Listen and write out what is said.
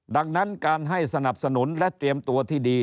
ดังนั้นการให้สนับสนุนและเตรียมตัวที่ดี